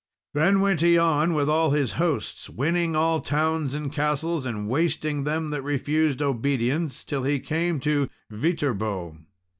Then went he on with all his hosts, winning all towns and castles, and wasting them that refused obedience, till he came to Viterbo.